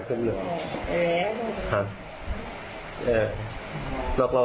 บอกตรงเหอะเกิดอะไรอยู่